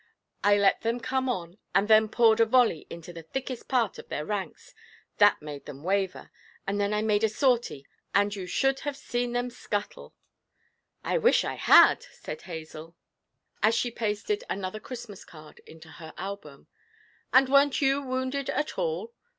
I let them come on, and then poured a volley into the thickest part of their ranks that made them waver, and then I made a sortie, and you should have just seen them scuttle!' 'I wish I had,' said Hazel, as she pasted another Christmas card into her album. 'And weren't you wounded at all?'